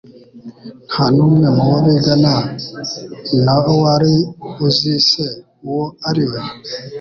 Nta n'umwe mu bo bigana na wari uzi se uwo ari we.